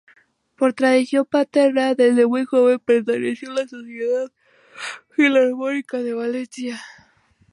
Por tradición paterna, desde muy joven perteneció a la Sociedad Filarmónica de Valencia.